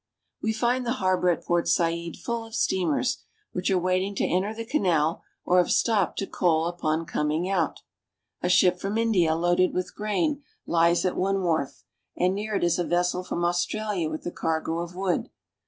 We find the harbor at Port Said full of steamers, which are waiting to enter the canal or have stopped to coal upon coming out. A ship from India, loaded with grain, lies at one wharf, and near it is a vessel from Australia with a cargo of wool.